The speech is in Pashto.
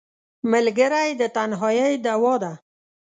ملګری د تنهایۍ دواء ده